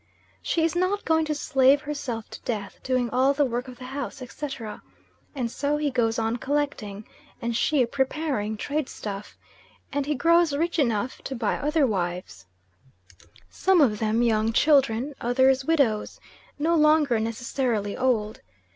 She is not going to slave herself to death doing all the work of the house, etc., and so he goes on collecting, and she preparing, trade stuff, and he grows rich enough to buy other wives some of them young children, others widows, no longer necessarily old.